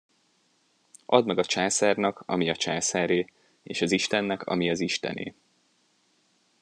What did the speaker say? Add meg a császárnak, ami a császáré, és az Istennek, ami az Istené.